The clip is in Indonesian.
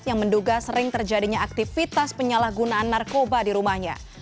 yang menduga sering terjadinya aktivitas penyalahgunaan narkoba di rumahnya